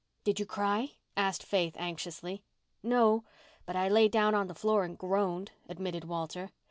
"Did you cry?" asked Faith anxiously. "No—but I lay down on the floor and groaned," admitted Walter.